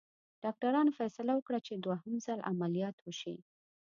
ډاکټرانو فیصله وکړه چې دوهم ځل عملیات وشي.